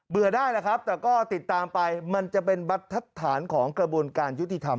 เบื่อได้นะครับแต่ก็ติดตามไปมันจะเป็นบัตรฐานของกระบวนการยุติธรรม